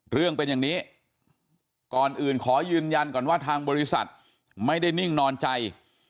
เรื่องเป็นอย่างนี้ก่อนอื่นขอยืนยันก่อนว่าทางบริษัทไม่ได้นิ่งนอนใจ